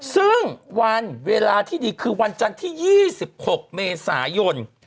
ซึ่งวันเวลาที่ดีคือวันจันทร์ที่๒๖เมษายน